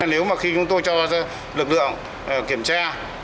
nếu mà khi chúng tôi cho lực lượng kiểm tra